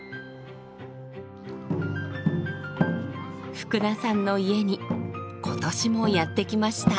福田さんの家に今年もやってきました。